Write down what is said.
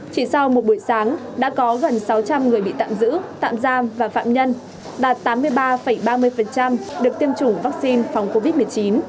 chỉ sau một buổi sáng đã có gần sáu trăm linh người bị tạm giữ tạm giam và phạm nhân đạt tám mươi ba ba mươi được tiêm chủng vaccine phòng covid một mươi chín